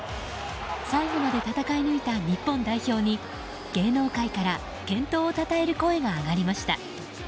最後まで戦い抜いた日本代表に芸能界から健闘をたたえる声が上がりました。